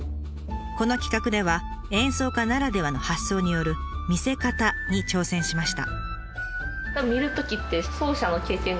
この企画では演奏家ならではの発想による見せ方に挑戦しました。